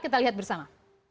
kita lihat bersama